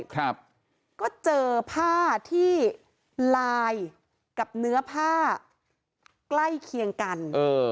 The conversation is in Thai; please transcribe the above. ครับก็เจอผ้าที่ลายกับเนื้อผ้าใกล้เคียงกันเออ